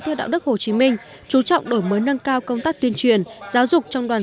theo đạo đức hồ chí minh chú trọng đổi mới nâng cao công tác tuyên truyền giáo dục trong đoàn